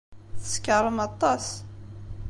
Tsekṛem aṭas.